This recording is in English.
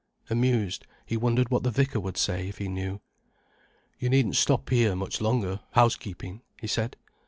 Amused, he wondered what the vicar would say if he knew. "You needn't stop here much longer, housekeeping," he said.